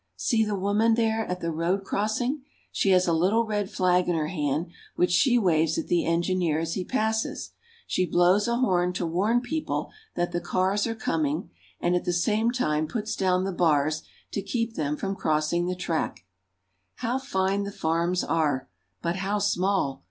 See the woman there at the road crossing ! She has a little red flag in her hand, which she waves at the engineer as he passes. She blows a horn to warn people that the cars are coming, and at the same time puts down the bars to keep them from crossing the track. How fine the farms are, but how small.